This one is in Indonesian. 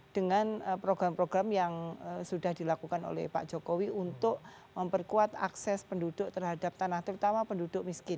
dengan program program yang sudah dilakukan oleh pak jokowi untuk memperkuat akses penduduk terhadap tanah terutama penduduk miskin